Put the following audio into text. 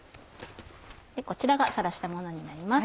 こちらがさらしたものになります。